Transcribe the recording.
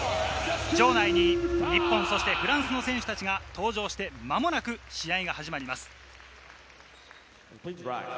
場内に日本、フランスの選手たちが登場して、間もなく試合が始まります。